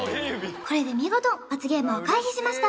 これで見事罰ゲームを回避しました・